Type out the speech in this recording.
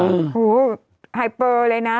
หูไหป่เลยนะ